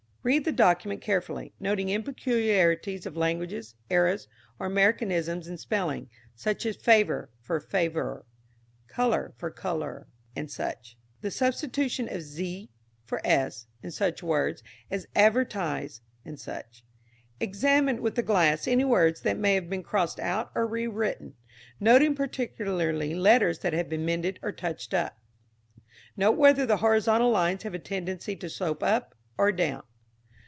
Read the document carefully, noting any peculiarities of language, errors, or Americanisms in spelling, such as "favor" for "favour," "color" for "colour," &c. the substitution of "z" for "s" in such words as "advertise," &c. Examine with the glass any words that may have been crossed out or rewritten, noting particularly letters that have been mended or touched up. Note whether the horizontal lines have a tendency to slope up or down.